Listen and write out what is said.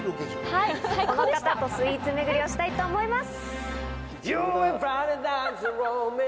この方とスイーツめぐりをしたいと思います。